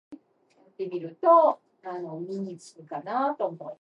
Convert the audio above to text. Also, the requirement to replace the Bisons was dropped.